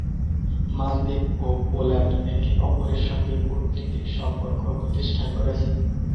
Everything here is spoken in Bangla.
মালদ্বীপ ও পোল্যান্ড একে অপরের সঙ্গে কূটনৈতিক সম্পর্ক প্রতিষ্ঠা করেছে।